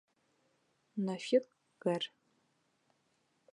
Нафиҡ ғәр.